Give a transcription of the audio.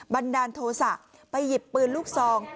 บันดาลโทษะไปหยิบปืนลูกซอง